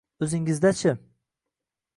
— Oʼzingizda-chi?